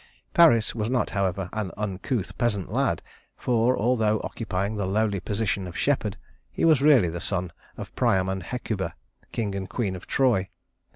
Paris was not, however, an uncouth peasant lad, for although occupying the lowly position of shepherd, he was really the son of Priam and Hecuba, king and queen of Troy.